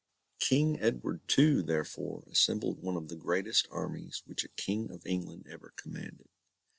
King Edward II, therefore, assembled one of the greatest armies which a King of England ever commanded.